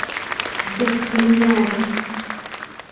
Dekkvinjara.